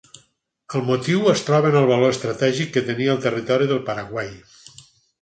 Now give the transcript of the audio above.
El motiu es troba en el valor estratègic que tenia el territori del Paraguai.